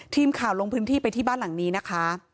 ทีมข่าวลงพื้นที่ไปที่บ้านหลังนี้นะคะ